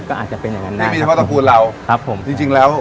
ก็อาจจะเป็นอย่างนั้นนะนี่มีเฉพาะตระกูลเราครับผมจริงจริงแล้ว